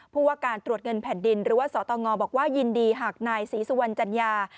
ผู้ว่าการตรวจเงินแผ่นดินหรือว่าสตงบอกว่ายินดีหากนายศรีสุวรรณจัญญา